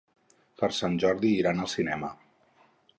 Per Sant Jordi iran al cinema.